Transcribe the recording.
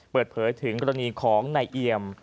เปิดเผยถึงกรณีของนายเอียม